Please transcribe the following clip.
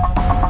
aku kasih tau